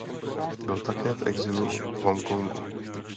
Byl také v exilu v Hongkongu.